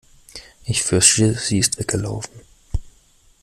Ich fürchte, sie ist weggelaufen.